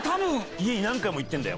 家に何回も行ってんだよ。